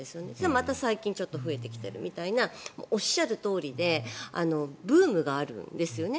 また最近ちょっと増えてきているみたいなおっしゃるとおりでブームがあるんですよね。